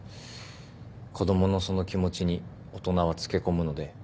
子供のその気持ちに大人はつけ込むので。